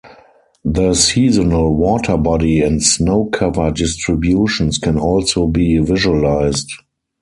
The seasonal water body and snow cover distributions can also be visualised.